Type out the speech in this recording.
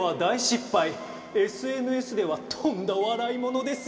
ＳＮＳではとんだ笑い物ですよ。